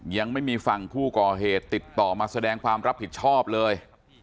ยังไม่มีฝั่งผู้ก่อเหตุติดต่อมาแสดงความรับผิดชอบเลย